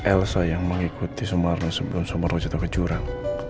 elsa yang mengikuti sumarno sebelum sumarno jatuh kejuran